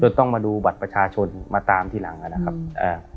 ต้องมาดูบัตรประชาชนมาตามทีหลังอ่ะนะครับอ่า